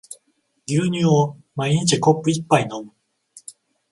牛乳を毎日コップ一杯飲む